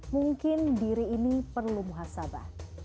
mungkin diri ini perlu muhasabah